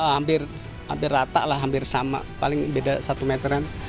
hampir rata lah hampir sama paling beda satu meteran